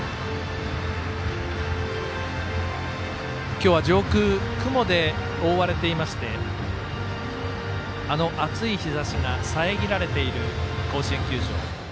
今日、上空雲で覆われていましてあの暑い日ざしが遮られている甲子園球場。